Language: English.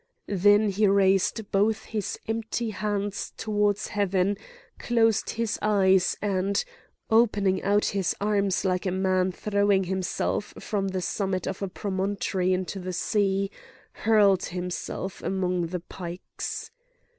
Then he raised both his empty hands towards heaven, closed his eyes, and, opening out his arms like a man throwing himself from the summit of a promontory into the sea, hurled himself among the pikes.